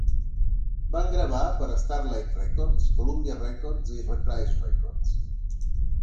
Van gravar per a Starlite Records, Columbia Records i Reprise Records.